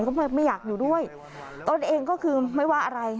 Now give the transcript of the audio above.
ก็ไม่ไม่อยากอยู่ด้วยตนเองก็คือไม่ว่าอะไร